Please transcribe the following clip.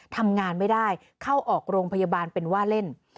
ทำงานไม่ได้เข้าออกโรงพยาบาลเป็นว่าเล่น